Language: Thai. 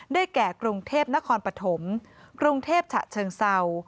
แก่กรุงเทพนครปฐมกรุงเทพฉะเชิงเศร้า